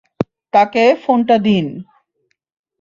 তাকে ফোনটা দিন।